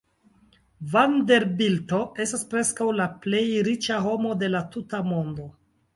Vanderbilto estas preskaŭ la plej riĉa homo de la tuta mondo.